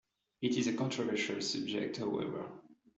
It is a controversial subject however.